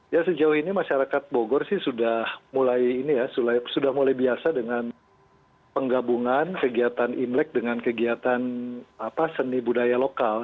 ya sejauh ini masyarakat bogor sih sudah mulai ini ya sudah mulai biasa dengan penggabungan kegiatan imlek dengan kegiatan seni budaya lokal